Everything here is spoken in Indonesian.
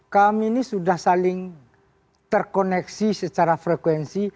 kami ini sudah saling terkoneksi secara frekuensi